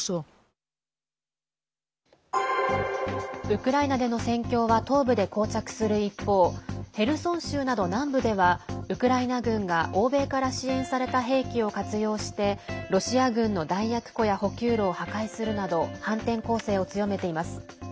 ウクライナでの戦況は東部でこう着する一方ヘルソン州など南部ではウクライナ軍が欧米から支援された兵器を活用して、ロシア軍の弾薬庫や補給路を破壊するなど反転攻勢を強めています。